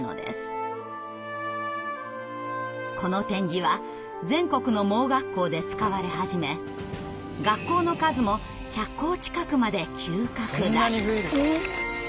この点字は全国の盲学校で使われ始め学校の数も１００校近くまで急拡大。